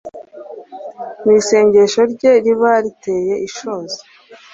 n’isengesho rye riba riteye ishozi